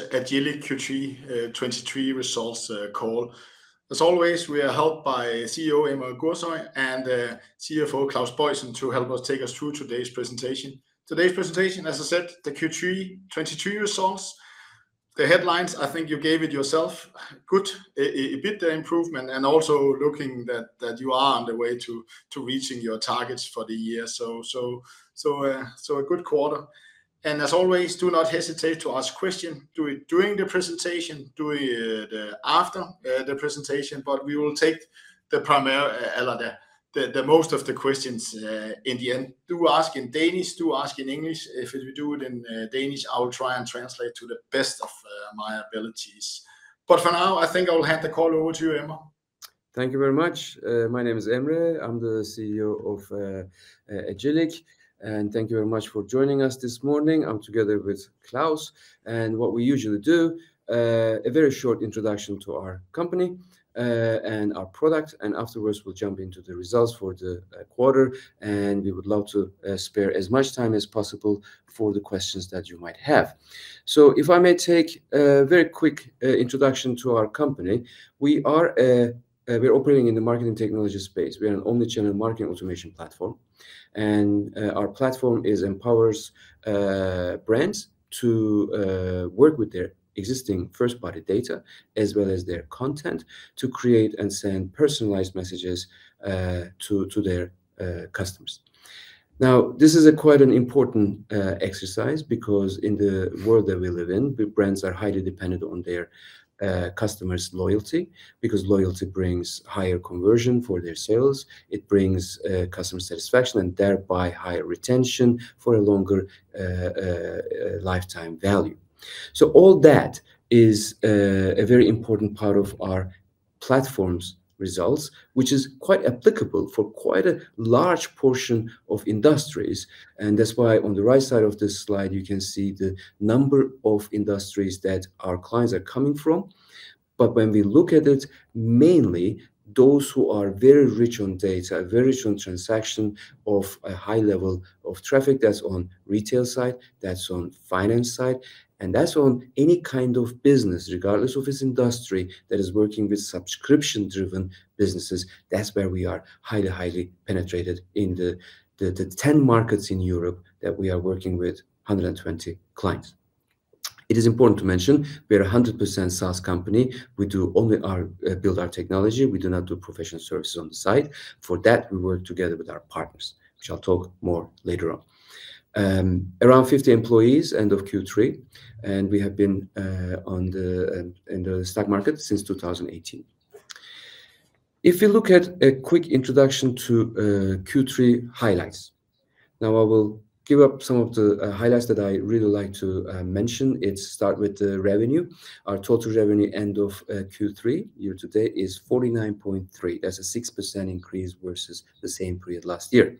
This Agillic Q3 2023 results call. As always, we are helped by CEO Emre Gürsoy and CFO Claus Boysen to help us take us through today's presentation. Today's presentation, as I said, the Q3 2023 results. The headlines, I think you gave it yourself, good, a bit the improvement, and also looking that you are on the way to reaching your targets for the year. So a good quarter. As always, do not hesitate to ask questions, do it during the presentation, do it after the presentation. We will take the primary—a lot of the—the most of the questions in the end. Do ask in Danish, do ask in English. If you do it in Danish, I will try and translate to the best of my abilities. But for now, I think I will hand the call over to you, Emre. Thank you very much. My name is Emre, I'm the CEO of Agillic, and thank you very much for joining us this morning. I'm together with Claus, and what we usually do, a very short introduction to our company and our product, and afterwards, we'll jump into the results for the quarter, and we would love to spare as much time as possible for the questions that you might have. If I may take a very quick introduction to our company. We are operating in the marketing technology space. We are an omnichannel marketing automation platform, and our platform empowers brands to work with their existing first-party data, as well as their content, to create and send personalized messages to their customers. Now, this is a quite an important exercise because in the world that we live in, the brands are highly dependent on their customers' loyalty, because loyalty brings higher conversion for their sales, it brings customer satisfaction, and thereby higher retention for a longer lifetime value. So all that is a very important part of our platform's results, which is quite applicable for quite a large portion of industries. And that's why on the right side of this slide, you can see the number of industries that our clients are coming from. But when we look at it, mainly those who are very rich on data, very rich on transaction of a high level of traffic, that's on retail side, that's on finance side, and that's on any kind of business, regardless of its industry, that is working with subscription-driven businesses. That's where we are highly, highly penetrated in the 10 markets in Europe that we are working with 120 clients. It is important to mention, we are a 100% SaaS company. We do only build our technology, we do not do professional services on the side. For that, we work together with our partners, which I'll talk more later on. Around 50 employees, end of Q3, and we have been on the in the stock market since 2018. If you look at a quick introduction to Q3 highlights. Now, I will give up some of the highlights that I really like to mention. It start with the revenue. Our total revenue, end of Q3, year-to-date, is 49.3. That's a 6% increase versus the same period last year.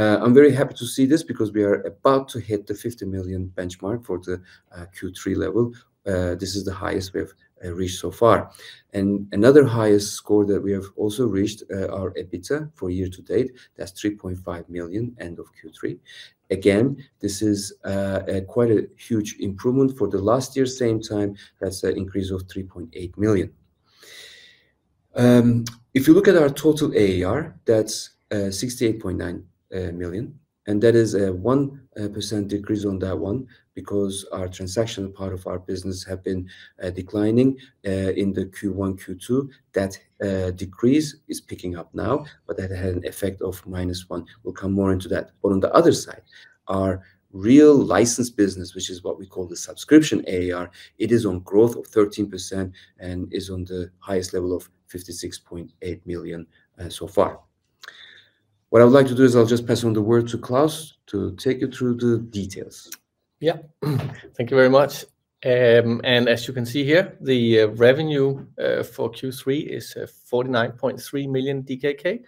I'm very happy to see this because we are about to hit the 50 million benchmark for the Q3 level. This is the highest we have reached so far. And another highest score that we have also reached, our EBITDA for year-to-date, that's 3.5 million, end of Q3. Again, this is quite a huge improvement for the last year, same time, that's an increase of 3.8 million. If you look at our total ARR, that's 68.9 million, and that is a 1% decrease on that one, because our transactional part of our business have been declining in the Q1, Q2. That decrease is picking up now, but that had an effect of -1%. We'll come more into that. But on the other side, our real licensed business, which is what we call the subscription ARR, it is on growth of 13% and is on the highest level of 56.8 million, so far. What I would like to do is I'll just pass on the word to Claus to take you through the details. Yeah. Thank you very much. And as you can see here, the revenue for Q3 is 49.3 million DKK.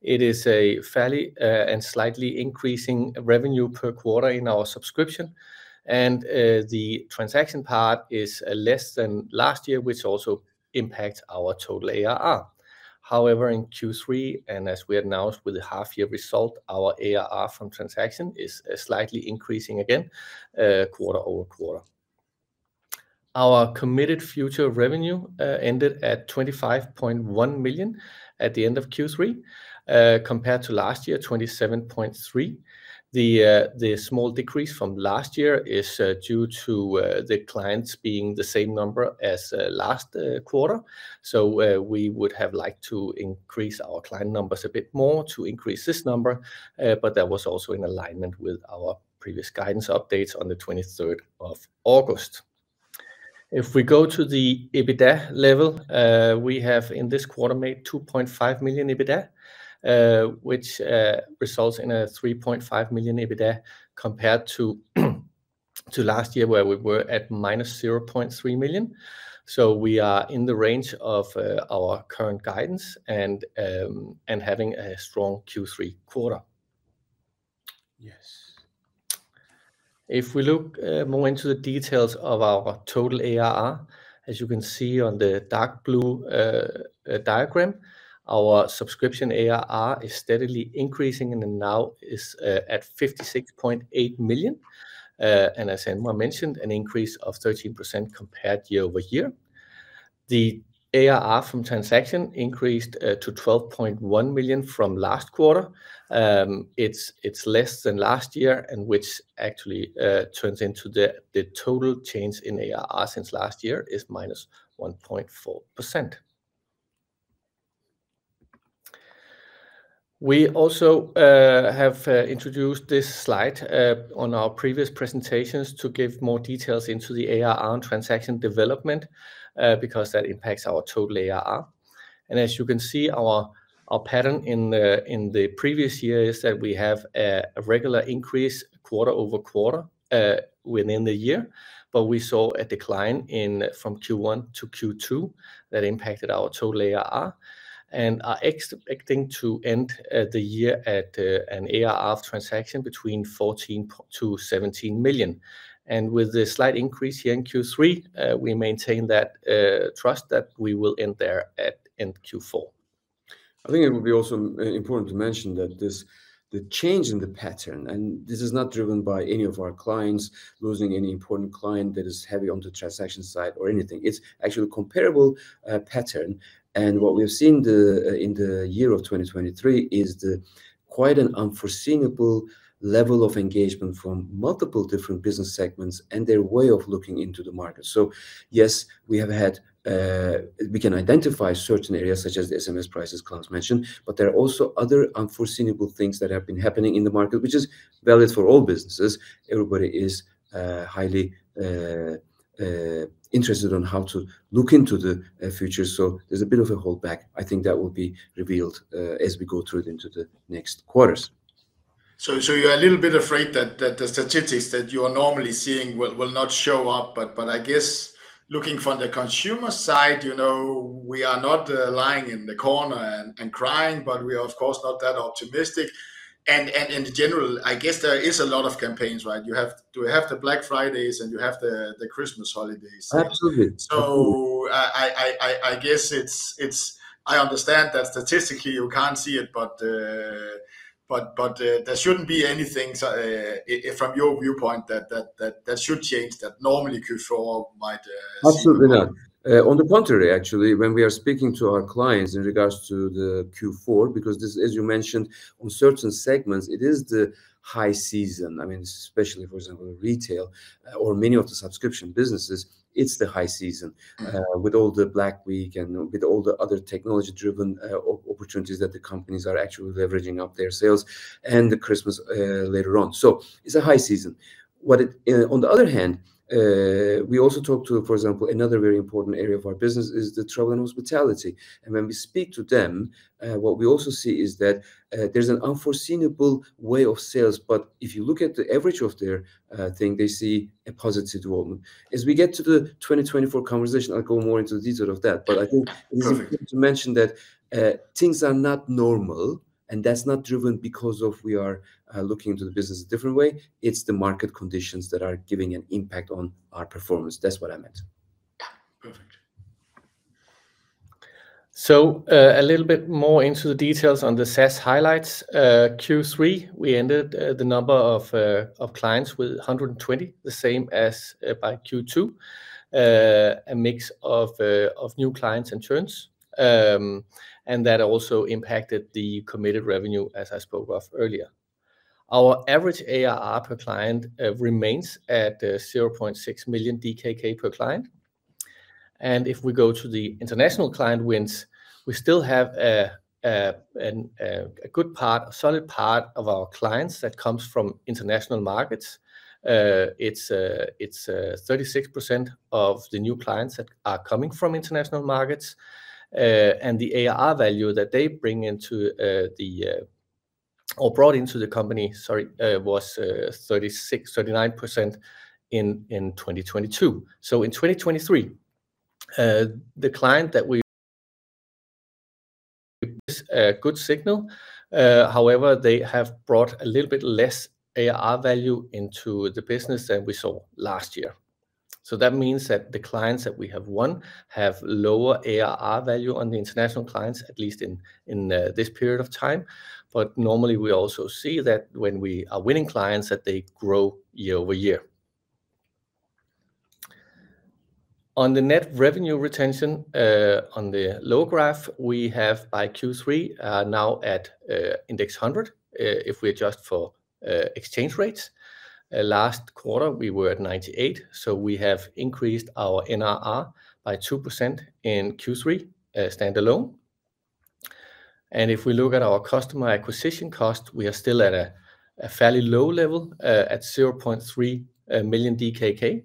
It is a fairly and slightly increasing revenue per quarter in our subscription, and the transaction part is less than last year, which also impacts our total ARR. However, in Q3, and as we announced with the half-year result, our ARR from transaction is slightly increasing again quarter-over-quarter. Our committed future revenue ended at 25.1 million at the end of Q3, compared to last year, 27.3 million. The small decrease from last year is due to the clients being the same number as last quarter. We would have liked to increase our client numbers a bit more to increase this number, but that was also in alignment with our previous guidance updates on the 23rd of August. If we go to the EBITDA level, we have, in this quarter, made 2.5 million EBITDA, which results in a 3.5 million EBITDA, compared to last year, where we were at -0.3 million. We are in the range of our current guidance and having a strong Q3 quarter. Yes. If we look more into the details of our total ARR, as you can see on the dark blue diagram, our subscription ARR is steadily increasing, and now is at 56.8 million. As Emre mentioned, an increase of 13% compared year-over-year. The ARR from transaction increased to 12.1 million from last quarter. It's less than last year, which actually turns into the total change in ARR since last year is -1.4%. We also have introduced this slide on our previous presentations to give more details into the ARR and transaction development, because that impacts our total ARR. As you can see, our pattern in the previous years, we have a regular increase quarter-over-quarter within the year. We saw a decline in from Q1 to Q2 that impacted our total ARR, and are expecting to end the year at an ARR of 14 million-17 million. With the slight increase here in Q3, we maintain that trust that we will end there at end Q4. I think it would be also important to mention that this, the change in the pattern, and this is not driven by any of our clients, losing any important client that is heavy on the transaction side or anything. It's actually a comparable pattern, and what we've seen the, in the year of 2023 is the quite an unforeseeable level of engagement from multiple different business segments and their way of looking into the market. So yes, we have had, we can identify certain areas such as the SMS prices Claus mentioned, but there are also other unforeseeable things that have been happening in the market, which is valid for all businesses. Everybody is, highly, interested on how to look into the, future. So there's a bit of a holdback. I think that will be revealed, as we go through it into the next quarters. So you're a little bit afraid that the statistics that you are normally seeing will not show up, but I guess looking from the consumer side, you know, we are not lying in the corner and crying, but we are, of course, not that optimistic. In general, I guess there is a lot of campaigns, right? You have the Black Fridays, and you have the Christmas holidays. Absolutely. So, I guess. I understand that statistically you can't see it, but there shouldn't be anything from your viewpoint that should change, that normally Q4 might see. Absolutely not. On the contrary, actually, when we are speaking to our clients in regards to the Q four, because this, as you mentioned, on certain segments, it is the high season. I mean, especially for example, retail or many of the subscription businesses, it's the high season with all the Black Week and with all the other technology-driven opportunities that the companies are actually leveraging up their sales and the Christmas later on. So it's a high season. On the other hand, we also talked to, for example, another very important area of our business is the travel and hospitality. And when we speak to them, what we also see is that, there's an unforeseeable way of sales, but if you look at the average of their thing, they see a positive development. As we get to the 2024 conversation, I'll go more into the detail of that. Perfect. But I think to mention that, things are not normal, and that's not driven because of we are, looking into the business a different way. It's the market conditions that are giving an impact on our performance. That's what I meant. Yeah, perfect. A little bit more into the details on the SaaS highlights. Q3, we ended the number of clients with 120, the same as by Q2. A mix of new clients and churns. And that also impacted the committed revenue, as I spoke of earlier. Our average ARR per client remains at 0.6 million DKK per client. And if we go to the international client wins, we still have a good part, a solid part of our clients that comes from international markets. It's 36% of the new clients that are coming from international markets. And the ARR value that they bring into the or brought into the company, sorry, was 36%, 39% in 2022. So in 2023, a good signal, however, they have brought a little bit less ARR value into the business than we saw last year. So that means that the clients that we have won have lower ARR value on the international clients, at least in this period of time. But normally, we also see that when we are winning clients, that they grow year-over-year. On the net revenue retention, on the low graph, we have by Q3 now at index 100, if we adjust for exchange rates. Last quarter, we were at 98, so we have increased our NRR by 2% in Q3 standalone. If we look at our customer acquisition cost, we are still at a fairly low level at 0.3 million DKK,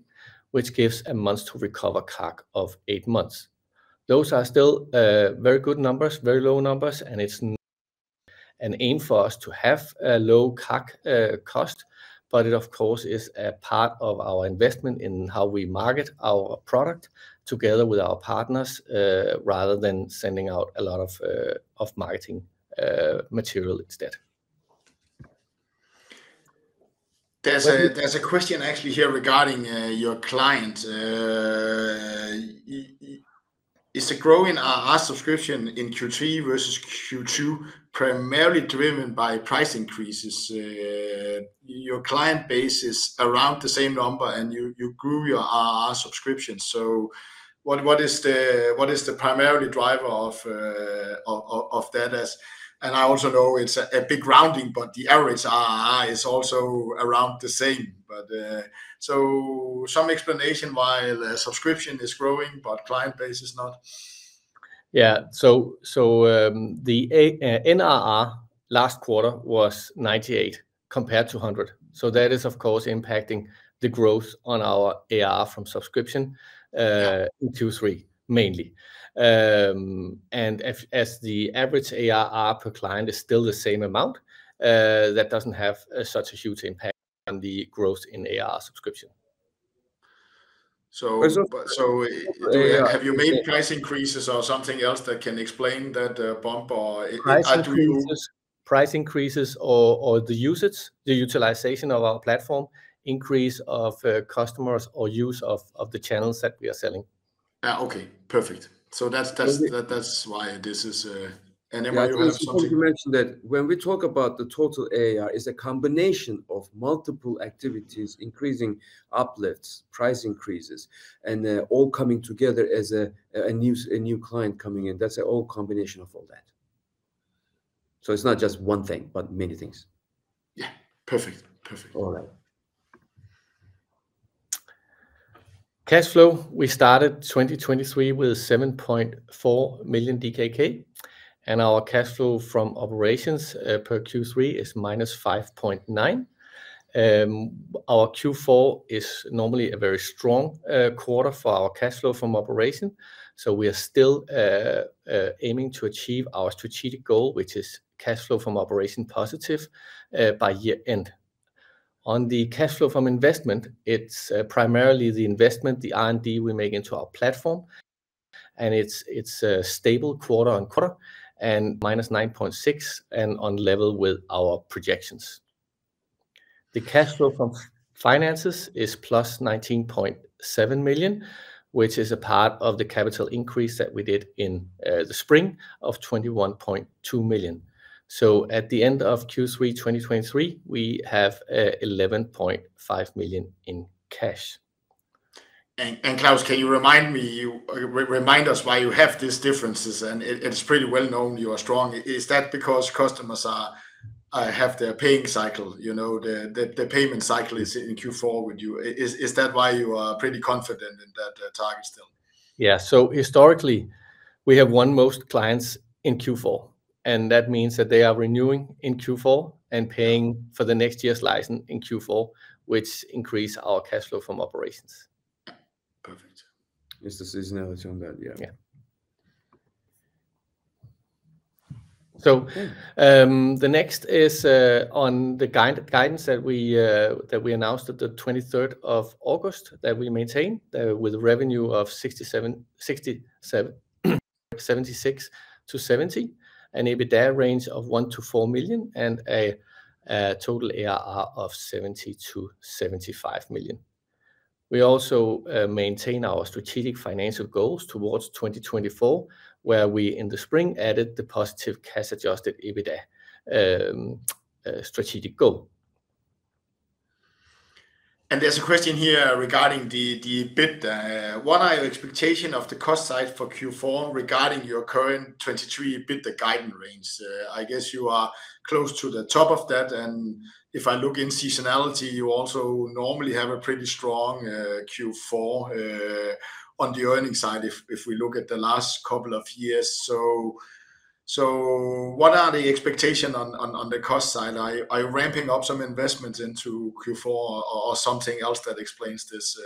which gives a month to recover CAC of eight months. Those are still very good numbers, very low numbers, and it's an aim for us to have a low CAC cost. But it of course is a part of our investment in how we market our product together with our partners rather than sending out a lot of marketing material instead. There's a question actually here regarding your client. Is the growing ARR subscription in Q3 versus Q2 primarily driven by price increases? Your client base is around the same number, and you grew your ARR subscription. So what is the primary driver of that and I also know it's a big rounding, but the average ARR is also around the same. But so some explanation why the subscription is growing, but client base is not? Yeah. So the NRR last quarter was 98 compared to 100. So that is, of course, impacting the growth on our ARR from subscription in Q3 mainly. And as the average ARR per client is still the same amount, that doesn't have such a huge impact on the growth in ARR subscription. So— But— So, have you made price increases or something else that can explain that bump or are you? Price increases. Price increases or the usage, the utilization of our platform, increase of customers, or use of the channels that we are selling. Okay, perfect. So that's, that's, that's why this is, and Emre you have something? Yeah, it's important to mention that when we talk about the total ARR, it's a combination of multiple activities, increasing uplifts, price increases, and they're all coming together as a new client coming in. That's a combination of all that. It's not just one thing, but many things. Yeah, perfect. Perfect. All right. Cash flow, we started 2023 with 7.4 million DKK, and our cash flow from operations per Q3 is -5.9 million. Our Q4 is normally a very strong quarter for our cash flow from operation, so we are still aiming to achieve our strategic goal, which is cash flow from operation positive by year-end. On the cash flow from investment, it's primarily the investment, the R&D we make into our platform, and it's stable quarter-on-quarter, and -9.6 million, and on level with our projections. The cash flow from finances is +19.7 million, which is a part of the capital increase that we did in the spring of 21.2 million. At the end of Q3 2023, we have 11.5 million in cash. Claus, can you remind me, remind us why you have these differences? And it's pretty well known you are strong. Is that because customers have their paying cycle, you know, the payment cycle is in Q4 with you? Is that why you are pretty confident in that target still? Yeah. So historically, we have won most clients in Q4, and that means that they are renewing in Q4 and paying for the next year's license in Q4, which increase our cash flow from operations. Perfect. It's the seasonality on that, yeah. Yeah. So the next is on the guidance that we announced at the 23rd of August, that we maintain, with revenue of 67 million-70 million, an EBITDA range of 1 million-4 million, and a total ARR of 70 million-75 million. We also maintain our strategic financial goals towards 2024, where we in the spring added the positive cash-adjusted EBITDA strategic goal. There's a question here regarding the EBITDA. What are your expectation of the cost side for Q4 regarding your current 2023 EBITDA guidance range? I guess you are close to the top of that, and if I look in seasonality, you also normally have a pretty strong Q4 on the earning side, if we look at the last couple of years. So what are the expectation on the cost side? Are you ramping up some investments into Q4 or something else that explains this,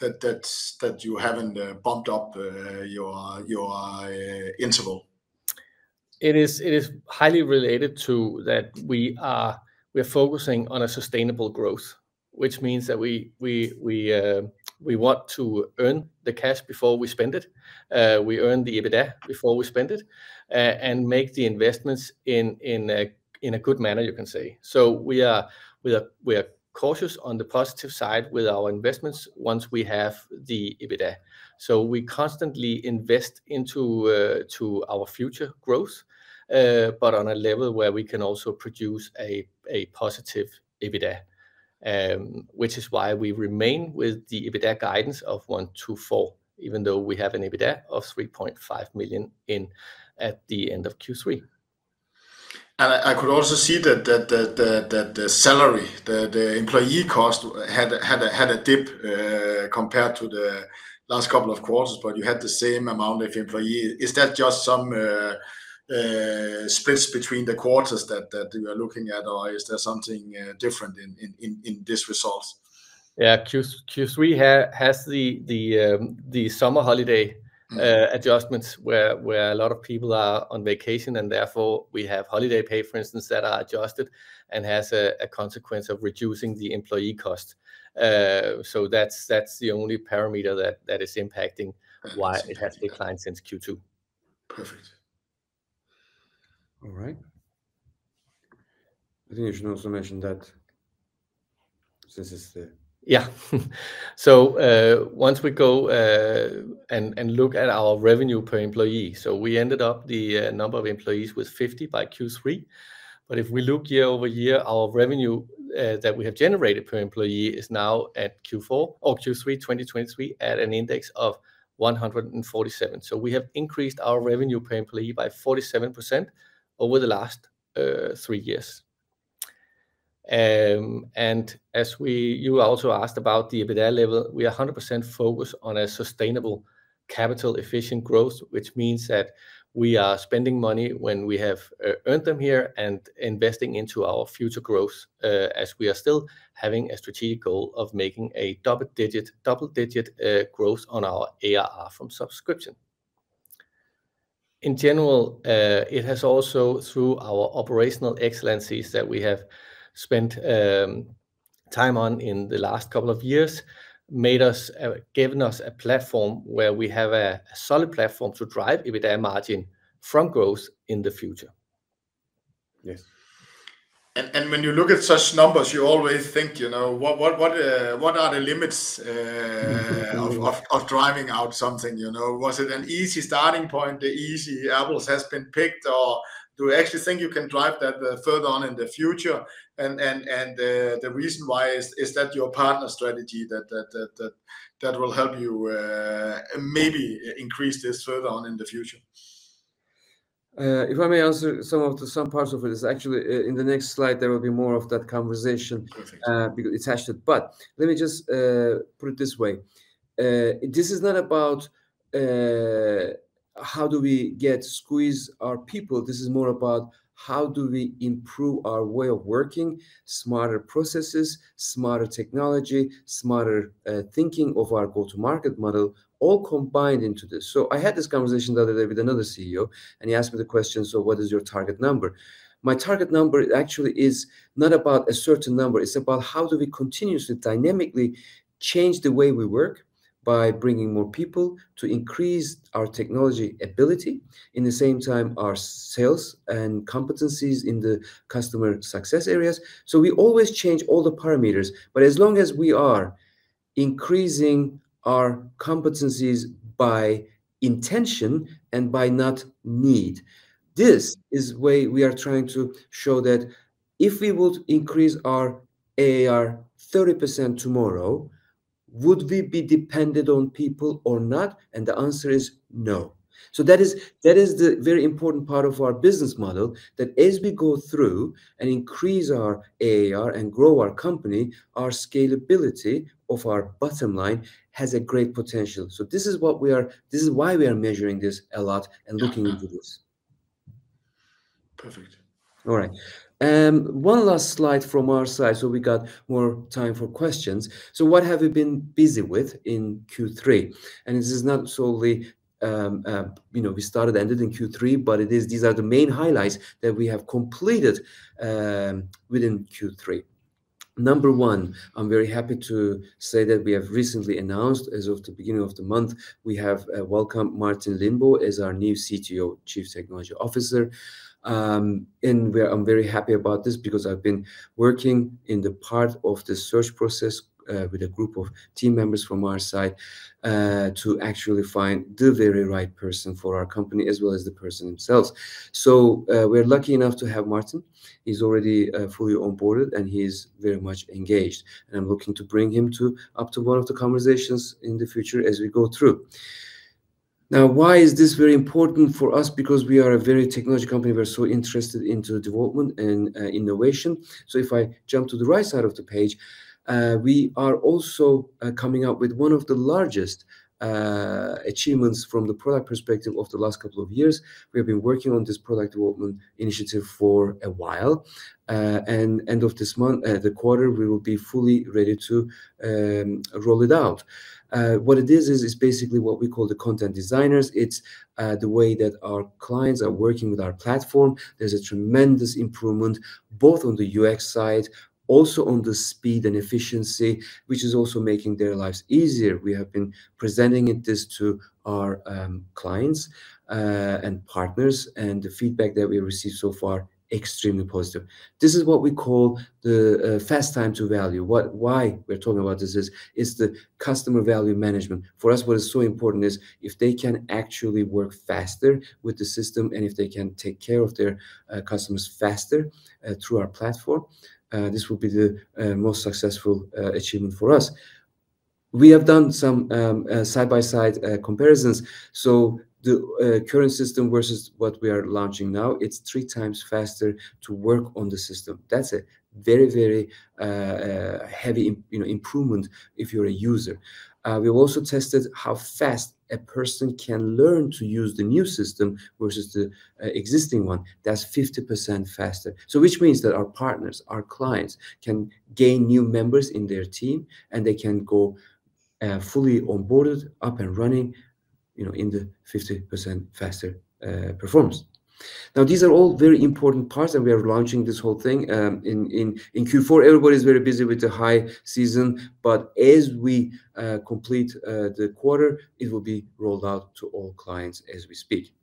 that you haven't bumped up your interval? It is highly related to that we are—we're focusing on a sustainable growth, which means that we want to earn the cash before we spend it. We earn the EBITDA before we spend it, and make the investments in a good manner, you can say. So we are cautious on the positive side with our investments once we have the EBITDA. So we constantly invest into our future growth, but on a level where we can also produce a positive EBITDA. Which is why we remain with the EBITDA guidance of 1 million-4 million, even though we have an EBITDA of 3.5 million at the end of Q3. I could also see that the salary, the employee cost had a dip compared to the last couple of quarters, but you had the same amount of employee. Is that just some splits between the quarters that you are looking at, or is there something different in this result? Yeah. Q3 has the summer holiday adjustments where a lot of people are on vacation, and therefore, we have holiday pay, for instance, that are adjusted and has a consequence of reducing the employee cost. So that's the only parameter that is impacting why it has declined since Q2. Perfect. All right. I think you should also mention that this is the... Yeah. So once we go and look at our revenue per employee. So we ended up the number of employees with 50 by Q3. But if we look year-over-year, our revenue that we have generated per employee is now at Q4 or Q3 2023, at an index of 147. So we have increased our revenue per employee by 47% over the last three years. And you also asked about the EBITDA level, we are 100% focused on a sustainable capital efficient growth, which means that we are spending money when we have earned them here, and investing into our future growth, as we are still having a strategic goal of making a double digit, double digit, growth on our ARR from subscription. In general, it has also, through our operational excellencies that we have spent time on in the last couple of years, made us given us a platform where we have a solid platform to drive EBITDA margin from growth in the future. Yes. When you look at such numbers, you always think, you know, what are the limits of driving out something, you know? Was it an easy starting point, the easy apples has been picked, or do you actually think you can drive that further on in the future? The reason why is that your partner strategy that will help you maybe increase this further on in the future? If I may answer some parts of it, is actually in the next slide, there will be more of that conversation— Perfect. —attached it. But let me just, put it this way. This is not about, how do we get squeeze our people, this is more about how do we improve our way of working, smarter processes, smarter technology, smarter, thinking of our go-to-market model, all combined into this. So I had this conversation the other day with another CEO, and he asked me the question: "So what is your target number?" My target number actually is not about a certain number, it's about how do we continuously, dynamically change the way we work by bringing more people to increase our technology ability, in the same time, our sales and competencies in the customer success areas. So we always change all the parameters, but as long as we are increasing our competencies by intention and by not need, this is the way we are trying to show that if we would increase our ARR 30% tomorrow, would we be dependent on people or not? And the answer is no. So that is, that is the very important part of our business model, that as we go through and increase our ARR and grow our company, our scalability of our bottom line has a great potential. So this is what we are—this is why we are measuring this a lot and looking into this. Perfect. All right. One last slide from our side, so we got more time for questions. So what have we been busy with in Q3? And this is not solely. You know, we started, ended in Q3, but it is, these are the main highlights that we have completed within Q3. Number one, I'm very happy to say that we have recently announced, as of the beginning of the month, we have welcomed Martin Lindboe as our new CTO, Chief Technology Officer. And I'm very happy about this because I've been working in the part of the search process with a group of team members from our side to actually find the very right person for our company, as well as the person themselves. So we're lucky enough to have Martin. He's already fully onboarded, and he's very much engaged, and I'm looking to bring him up to one of the conversations in the future as we go through. Now, why is this very important for us? Because we are a very technology company. We're so interested into development and innovation. So if I jump to the right side of the page, we are also coming up with one of the largest achievements from the product perspective of the last couple of years. We have been working on this product development initiative for a while, and end of this month, the quarter, we will be fully ready to roll it out. What it is, is it's basically what we call the Content Designers. It's the way that our clients are working with our platform. There's a tremendous improvement, both on the UX side, also on the speed and efficiency, which is also making their lives easier. We have been presenting it this to our, clients, and partners, and the feedback that we received so far, extremely positive. This is what we call the, fast time to value. Why we're talking about this is the customer value management. For us, what is so important is if they can actually work faster with the system and if they can take care of their, customers faster, through our platform, this will be the, most successful, achievement for us. We have done some, side-by-side, comparisons. So the, current system versus what we are launching now, it's three times faster to work on the system. That's a very, very heavy, you know, improvement if you're a user. We also tested how fast a person can learn to use the new system versus the existing one. That's 50% faster. So which means that our partners, our clients, can gain new members in their team, and they can go fully onboarded, up and running, you know, in the 50% faster performance. Now, these are all very important parts, and we are launching this whole thing in Q4. Everybody is very busy with the high season, but as we complete the quarter, it will be rolled out to all clients as we speak.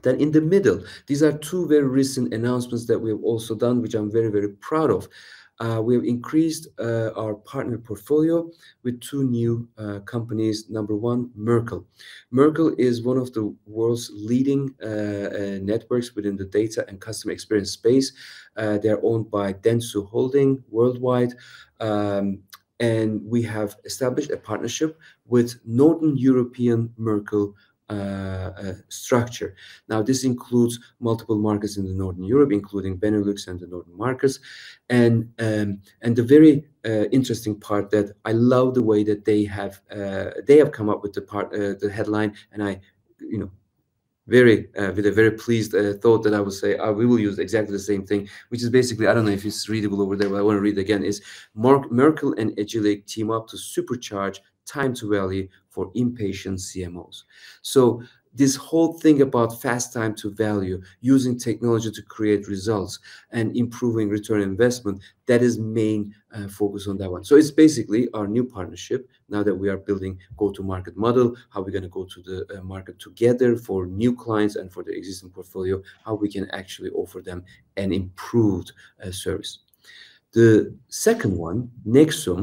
Then in the middle, these are two very recent announcements that we have also done, which I'm very, very proud of. We've increased our partner portfolio with two new companies. Number one, Merkle. Merkle is one of the world's leading networks within the data and customer experience space. They're owned by dentsu worldwide. We have established a partnership with Northern European Merkle structure. Now, this includes multiple markets in the Northern Europe, including Benelux and the Northern markets. The very interesting part that I love the way that they have come up with the headline, and I, you know, with a very pleased thought that I would say, "We will use exactly the same thing," which is basically, I don't know if it's readable over there, but I want to read it again, is: "Merkle and Agillic team up to supercharge time to value for impatient CMOs." So this whole thing about fast time to value, using technology to create results, and improving return on investment, that is main focus on that one. So it's basically our new partnership now that we are building go-to-market model, how we're gonna go to the market together for new clients and for the existing portfolio, how we can actually offer them an improved service. The second one, nexum.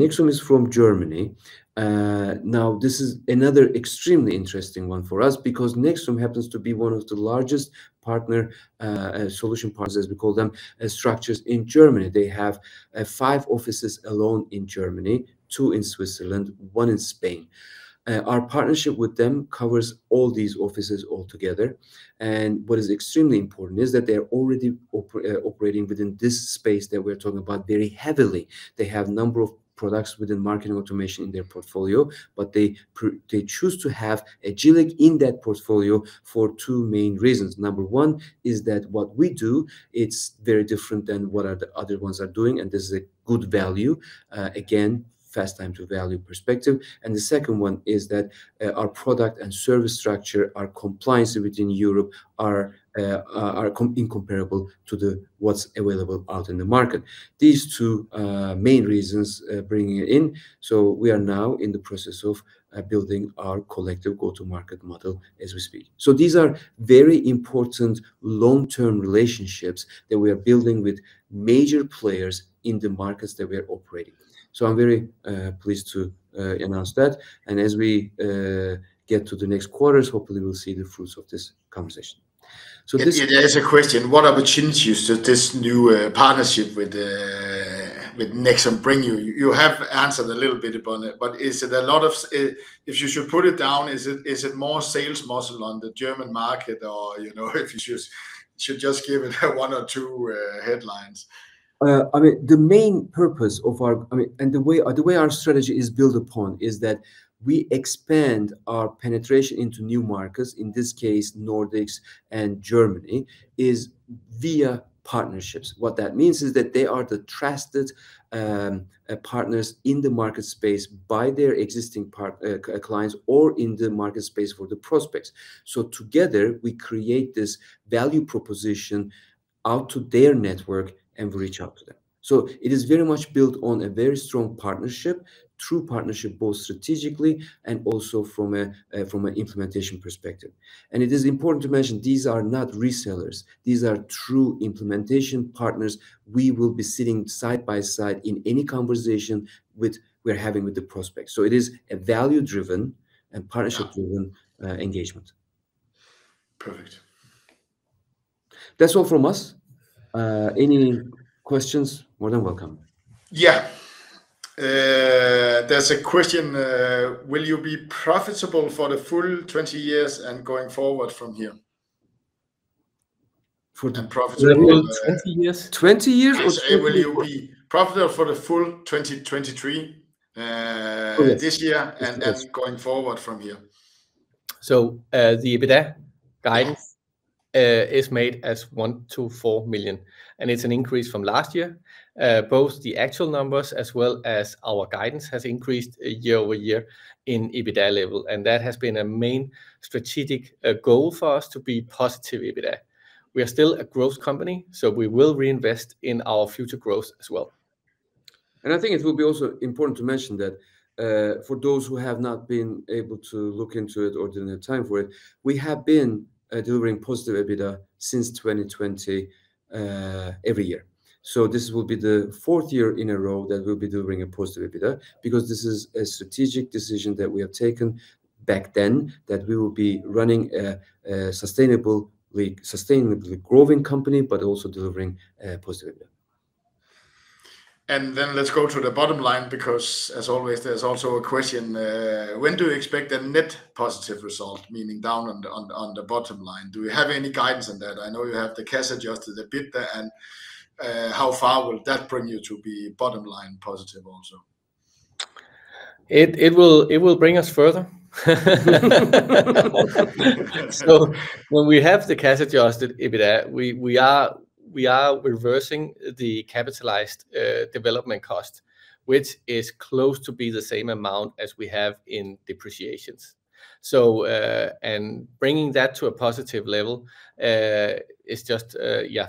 nexum is from Germany. Now, this is another extremely interesting one for us because nexum happens to be one of the largest partner solution partners, as we call them, structures in Germany. They have five offices alone in Germany, two in Switzerland, one in Spain. Our partnership with them covers all these offices altogether, and what is extremely important is that they're already operating within this space that we're talking about very heavily. They have number of products within marketing automation in their portfolio, but they choose to have Agillic in that portfolio for two main reasons. Number one is that what we do, it's very different than what the other ones are doing, and this is a good value. Again, fast time to value perspective. And the second one is that our product and service structure, our compliance within Europe are incomparable to what's available out in the market. These two main reasons bringing it in, so we are now in the process of building our collective go-to-market model as we speak. So these are very important long-term relationships that we are building with major players in the markets that we are operating. So I'm very pleased to announce that, and as we get to the next quarters, hopefully we'll see the fruits of this conversation. So this— There, there's a question: What opportunities does this new partnership with, with nexum bring you? You have answered a little bit upon it, but is it a lot of—if you should put it down, is it, is it more sales muscle on the German market or, you know, should just give one or two headlines? I mean, the main purpose of our, I mean, the way our strategy is built upon is that we expand our penetration into new markets, in this case, Nordics and Germany, is via partnerships. What that means is that they are the trusted partners in the market space by their existing part- clients or in the market space for the prospects. Together, we create this value proposition out to their network and we reach out to them. It is very much built on a very strong partnership, true partnership, both strategically and also from an implementation perspective. It is important to mention, these are not resellers. These are true implementation partners. We will be sitting side by side in any conversation we're having with the prospects. It is a value-driven and partnership-driven engagement. Perfect. That's all from us. Any questions, more than welcome. Yeah. There's a question: Will you be profitable for the full 20 years and going forward from here? For the profitable— 20 years? 20 years or 20— Will you be profitable for the full 2023? This year, and then going forward from here? So, the EBITDA guidance is made as 1 million-4 million, and it's an increase from last year. Both the actual numbers as well as our guidance has increased year-over-year in EBITDA level, and that has been a main strategic goal for us, to be positive EBITDA. We are still a growth company, so we will reinvest in our future growth as well. I think it will be also important to mention that, for those who have not been able to look into it or didn't have time for it, we have been delivering positive EBITDA since 2020 every year. This will be the fourth year in a row that we'll be delivering a positive EBITDA, because this is a strategic decision that we have taken back then, that we will be running a sustainably growing company, but also delivering positive EBITDA. Then let's go to the bottom line, because, as always, there's also a question: when do you expect a net positive result, meaning down on the bottom line? Do we have any guidance on that? I know you have the cash-adjusted EBITDA, and how far will that bring you to be bottom line positive also? It will bring us further. So when we cash-adjusted EBITDA, we are reversing the capitalized development cost, which is close to be the same amount as we have in depreciations. So, and bringing that to a positive level is just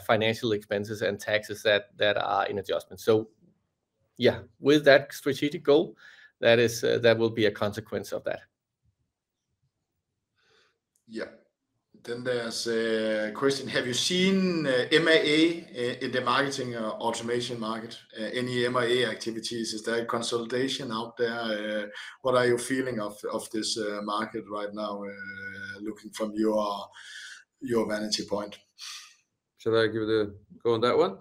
financial expenses and taxes that are in adjustment. With that strategic goal, that is, that will be a consequence of that. Yeah. Then there's a question: Have you seen M&A in the marketing automation market? Any M&A activities? Is there a consolidation out there? What are you feeling of this market right now, looking from your vantage point? Shall I give the go on that one?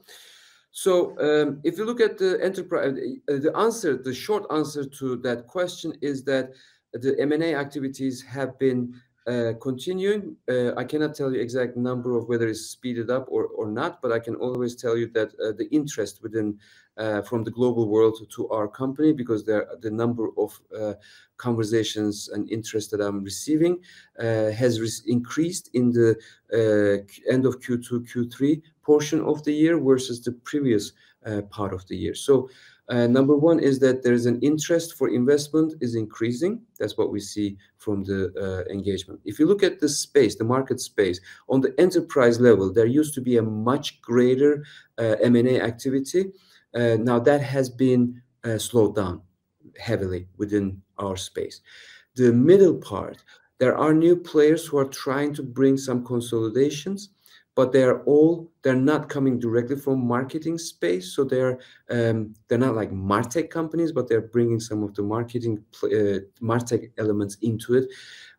So, if you look at the answer, the short answer to that question is that the M&A activities have been continuing. I cannot tell you exact number of whether it's speeded up or not, but I can always tell you that the interest within from the global world to our company, because the number of conversations and interest that I'm receiving has increased in the end of Q2, Q3 portion of the year versus the previous part of the year. So, number one is that there is an interest for investment is increasing. That's what we see from the engagement. If you look at the space, the market space, on the enterprise level, there used to be a much greater M&A activity. Now that has been slowed down heavily within our space. The middle part, there are new players who are trying to bring some consolidations, but they are all—they're not coming directly from marketing space, so they're, they're not like MarTech companies, but they're bringing some of the marketing MarTech elements into it.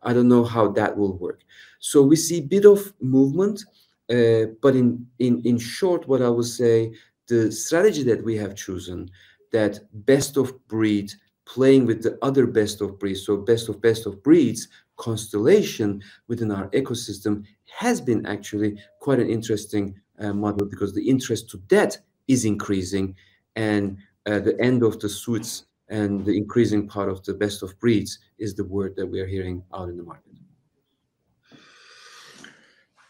I don't know how that will work. So we see a bit of movement, but in short, what I would say, the strategy that we have chosen, that best of breed playing with the other best of breed, so best of best of breeds constellation within our ecosystem, has been actually quite an interesting model because the interest to that is increasing, and the end of the suites and the increasing part of the best of breeds is the word that we are hearing out in the market.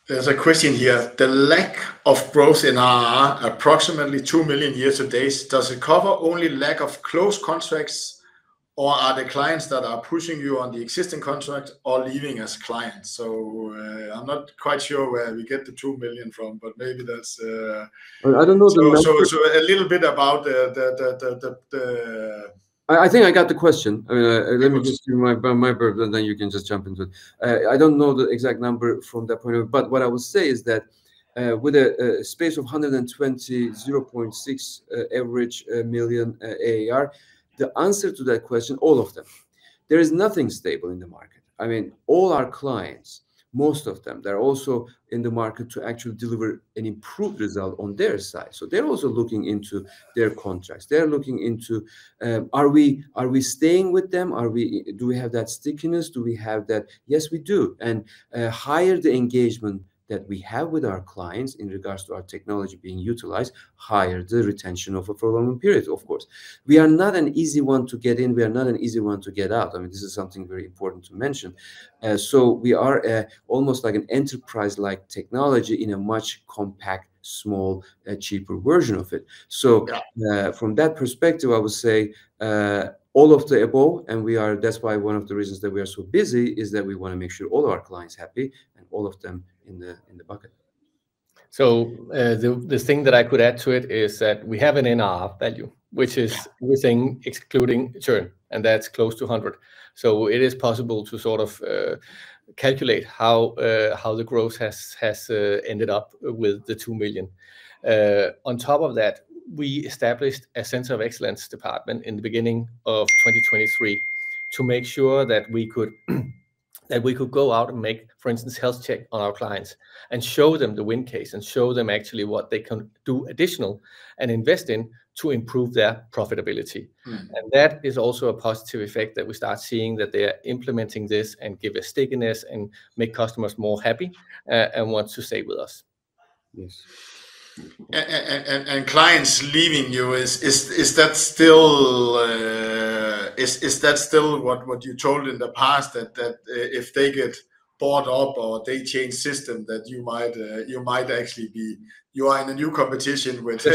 There's a question here: The lack of growth in our approximately 2 million user base, does it cover only lack of close contracts, or are the clients that are pushing you on the existing contract or leaving as clients? So, I'm not quite sure where we get the 2 million from, but maybe that's, I don't know the— So, a little bit about the— I think I got the question. Let me just do my version, then you can just jump into it. I don't know the exact number from that point of view, but what I would say is that, with a space of 120.6 average million ARR, the answer to that question, all of them. There is nothing stable in the market. I mean, all our clients, most of them, they're also in the market to actually deliver an improved result on their side. I mean, they're also looking into their contracts. They're looking into, are we staying with them? Do we have that stickiness? Do we have that? Yes, we do. Higher the engagement that we have with our clients in regards to our technology being utilized, higher the retention of a program period, of course. We are not an easy one to get in. We are not an easy one to get out. I mean, this is something very important to mention. So we are almost like an enterprise-like technology in a much compact, small, cheaper version of it. So from that perspective, I would say all of the above, and that's why one of the reasons that we are so busy is that we want to make sure all of our clients happy and all of them in the, in the bucket. So, the thing that I could add to it is that we have an NR value, which is within excluding churn, and that's close to 100. So it is possible to sort of calculate how the growth has ended up with the 2 million. On top of that, we established a Center of Excellence department in the beginning of 2023 to make sure that we could go out and make, for instance, health check on our clients and show them the win case, and show them actually what they can do additional and invest in to improve their profitability. That is also a positive effect that we start seeing that they are implementing this and give a stickiness and make customers more happy, and want to stay with us. Yes. And clients leaving you, is that still what you told in the past, that if they get bought up or they change system, that you might actually be in a new competition with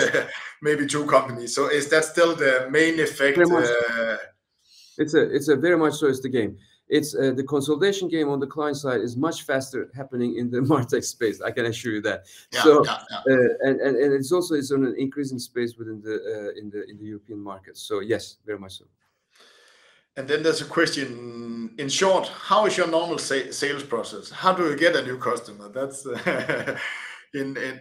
maybe two companies? So is that still the main effect? It's very much so, it's the game. It's the consolidation game on the client side is much faster happening in the MarTech space, I can assure you that. Yeah. Yeah, yeah. So, it's also on an increasing pace within the European market. So yes, very much so. And then there's a question: In short, how is your normal sales process? How do you get a new customer?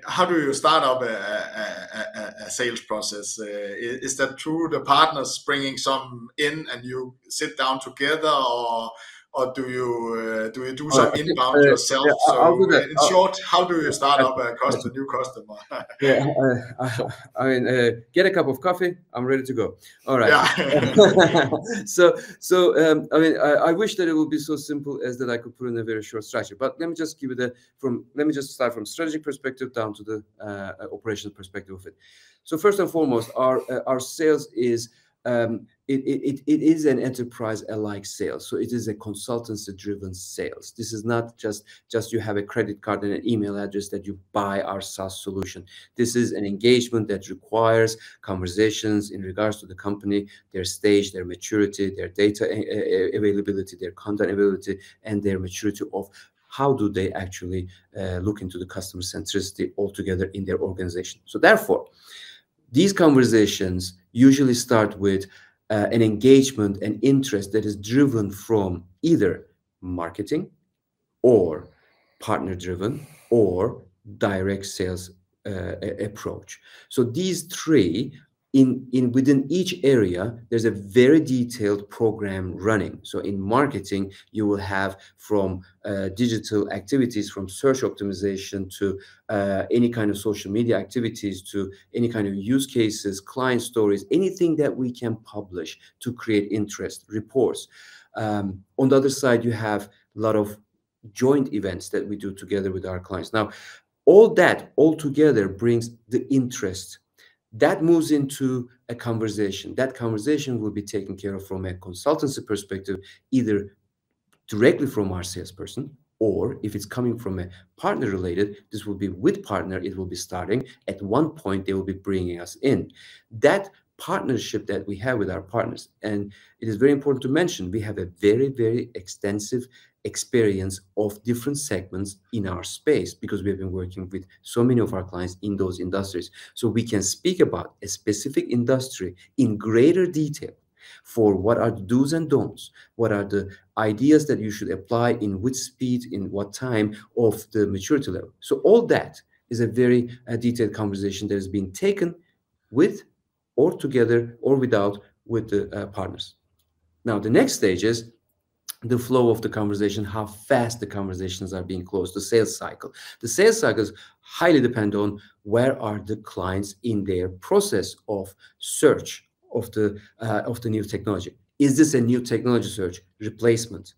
How do you start up a sales process? Is that through the partners bringing some in, and you sit down together, or do you do some inbound yourself? I would— In short, how do you start up a new customer? Yeah, I mean, get a cup of coffee, I'm ready to go. All right. Yeah. I mean, I wish that it would be so simple as that I could put in a very short strategy, but let me just give you the from—let me just start from strategy perspective down to the operational perspective of it. First and foremost, our sales is, it is an enterprise-alike sales, so it is a consultancy-driven sales. This is not just you have a credit card and an email address that you buy our SaaS solution. This is an engagement that requires conversations in regards to the company, their stage, their maturity, their data availability, their content ability, and their maturity of how do they actually look into the customer centricity altogether in their organization. So therefore, these conversations usually start with an engagement and interest that is driven from either marketing, or partner-driven, or direct sales approach. So these three, within each area, there's a very detailed program running. So in marketing, you will have from digital activities, from search optimization, to any kind of social media activities, to any kind of use cases, client stories, anything that we can publish to create interest, reports. On the other side, you have a lot of joint events that we do together with our clients. Now, all that altogether brings the interest. That moves into a conversation. That conversation will be taken care of from a consultancy perspective, either directly from our salesperson, or if it's coming from a partner-related, this will be with partner, it will be starting, at one point, they will be bringing us in. That partnership that we have with our partners, and it is very important to mention, we have a very, very extensive experience of different segments in our space because we have been working with so many of our clients in those industries. So we can speak about a specific industry in greater detail for what are the dos and don'ts, what are the ideas that you should apply, in which speed, in what time of the maturity level? So all that is a very, detailed conversation that is being taken with or together or without, with the, partners. Now, the next stage is the flow of the conversation, how fast the conversations are being closed, the sales cycle. The sales cycle is highly dependent on where are the clients in their process of search of the, of the new technology? Is this a new technology search replacement?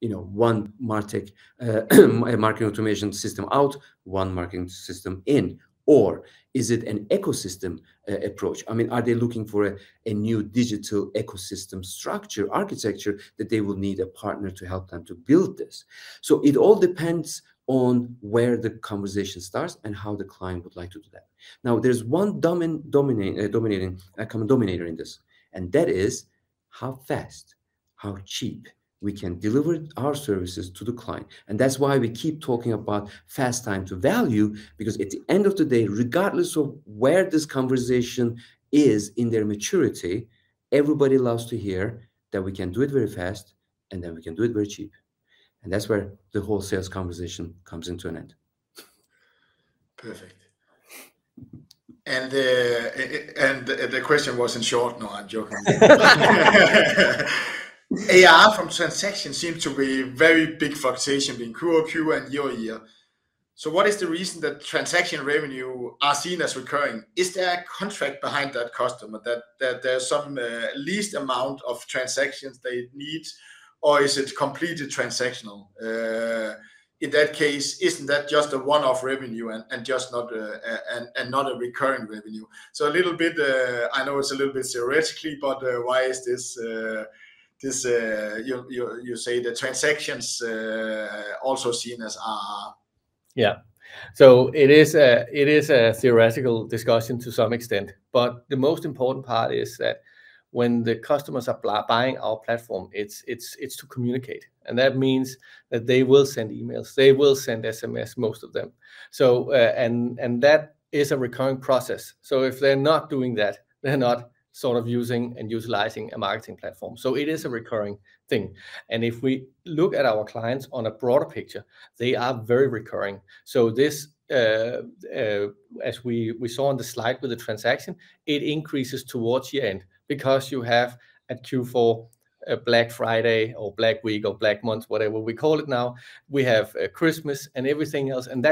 You know, one MarTech, a marketing automation system out, one marketing system in, or is it an ecosystem approach? I mean, are they looking for a new digital ecosystem structure, architecture, that they will need a partner to help them to build this? So it all depends on where the conversation starts and how the client would like to do that. Now, there's one dominating common dominator in this, and that is how fast, how cheap we can deliver our services to the client. And that's why we keep talking about fast time to value, because at the end of the day, regardless of where this conversation is in their maturity, everybody loves to hear that we can do it very fast, and that we can do it very cheap. And that's where the whole sales conversation comes into an end. Perfect. And the question wasn't short. No, I'm joking. ARR from transaction seems to be very big fluctuation between QOQ and year-on-year. So what is the reason that transaction revenue are seen as recurring? Is there a contract behind that customer that there's some least amount of transactions they need, or is it completely transactional? In that case, isn't that just a one-off revenue and just not a recurring revenue? So a little bit, I know it's a little bit theoretically, but why is this you say the transactions also seen as ARR? Yeah. So it is a theoretical discussion to some extent, but the most important part is that when the customers are buying our platform, it's to communicate, and that means that they will send emails, they will send SMS, most of them. So, and that is a recurring process. So if they're not doing that, they're not sort of using and utilizing a marketing platform. So it is a recurring thing. And if we look at our clients on a broader picture, they are very recurring. So this, as we saw on the slide with the transaction, it increases towards the end because you have a Q4, a Black Friday or Black Week or Black Month, whatever we call it now, we have Christmas and everything else, and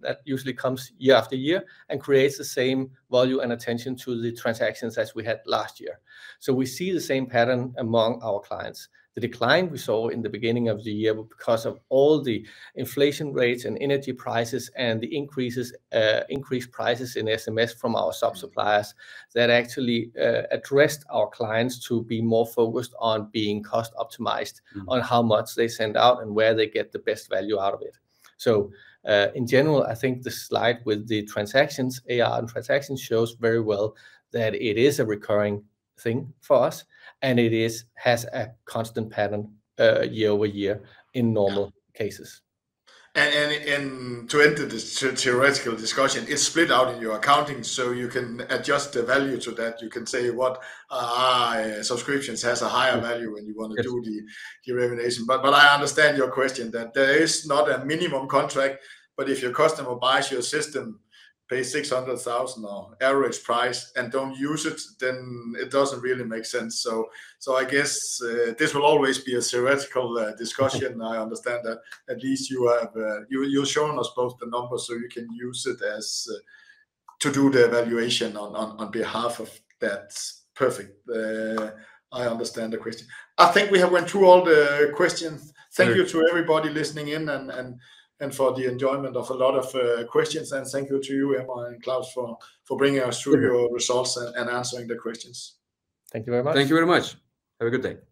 that usually comes year after year and creates the same value and attention to the transactions as we had last year. So we see the same pattern among our clients. The decline we saw in the beginning of the year, because of all the inflation rates and energy prices, and the increased prices in SMS from our sub-suppliers, that actually addressed our clients to be more focused on being cost optimized on how much they send out, and where they get the best value out of it. So, in general, I think the slide with the transactions, AR and transactions, shows very well that it is a recurring thing for us, and it has a constant pattern year-over-year in normal cases. To enter this theoretical discussion, it's split out in your accounting, so you can adjust the value to that. You can say what, AR subscriptions has a higher value when you want to do the remuneration. But I understand your question, that there is not a minimum contract, but if your customer buys your system, pay 600,000 on average price and don't use it, then it doesn't really make sense. So I guess, this will always be a theoretical discussion. I understand that. At least you've shown us both the numbers, so you can use it as to do the evaluation on behalf of that. Perfect. I understand the question. I think we have went through all the questions. Great. Thank you to everybody listening in and for the enjoyment of a lot of questions. Thank you to you, Emre and Claus, for bringing us through-your results and answering the questions. Thank you very much. Thank you very much. Have a good day.